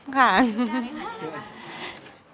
ได้ได้ข่าวดีไหม